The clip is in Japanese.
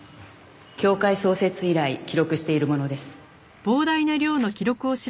協会創設以来記録しているものです。